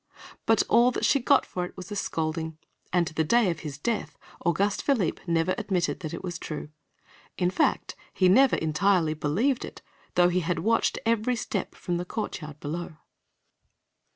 But all that she got for it was a scolding, and, to the day of his death, Auguste Philippe never admitted that it was true. In fact, he never entirely believed it, though he had watched every step from the courtyard below.